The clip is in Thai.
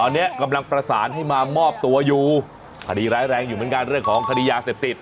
ดีร้ายแรงอยู่เหมือนกันเรื่องของคดียาเสพติด